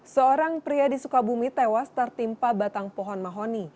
seorang pria di sukabumi tewas tertimpa batang pohon mahoni